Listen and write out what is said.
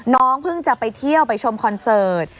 น้องเพิ่งจะไปเที่ยวไปชมคอนเสิร์ต